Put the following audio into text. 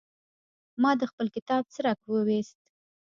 ما د خپل کتاب څرک ويوست.